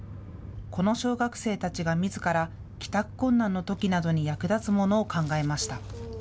この小学生たちがみずから帰宅困難のときなどに役立つものを考えました。